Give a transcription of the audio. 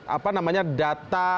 apa namanya data